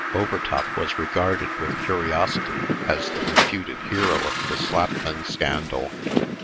Overtop was regarded with curiosity, as the reputed hero of the Slapman scandal.